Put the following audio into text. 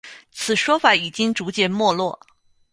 此说法已经逐渐没落。